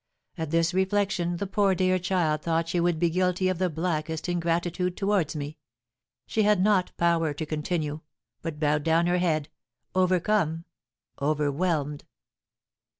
At this reflection the poor dear child thought she would be guilty of the blackest ingratitude towards me; she had not power to continue, but bowed down her head, overcome overwhelmed.